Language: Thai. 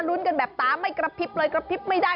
รุ้นกันแบบตาไม่กระพริบเลยกระพริบไม่ได้